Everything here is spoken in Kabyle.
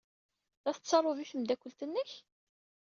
La tettarud i tmeddakelt-nnek?